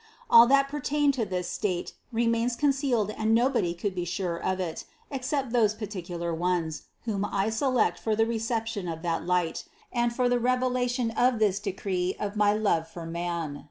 All that pertained to this state remains concealed and nobody could be sure of it, ex cept those particular ones, whom I select for the reception of that light, and for the revelation of this decree of my love for man.